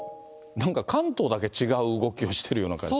なんか関東だけ違う動きをしてる感じ。